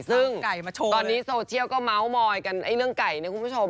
ซึ่งตอนนี้โซเชียลก็เมาส์มอยกันไอ้เรื่องไก่เนี่ยคุณผู้ชม